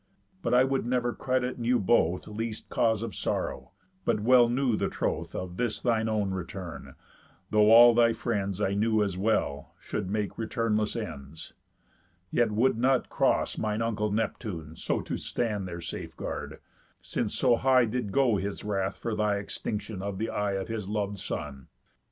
But I would never credit in you both Least cause of sorrow, but well knew the troth Of this thine own return, though all thy friends, I knew as well, should make returnless ends; Yet would not cross mine uncle Neptune so To stand their safeguard, since so high did go His wrath for thy extinction of the eye Of his lov'd son.